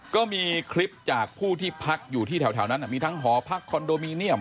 ก็มีคลิปจากผู้ที่พักอยู่ที่แถวนั้นมีทั้งหอพักคอนโดมิเนียม